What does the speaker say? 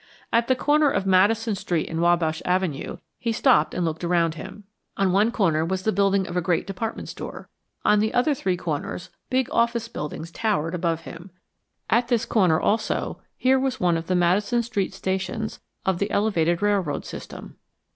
At the corner of Madison Street and Wabash Avenue, he stopped and looked around him. On one corner was the building of a great department store. On the other three corners, big office buildings towered above him. At this corner also here was one of the Madison Street stations of the elevated railroad system.